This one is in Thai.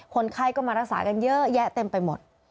คนไข้ก็มารักษากันเยอะแยะเต็มไปหมด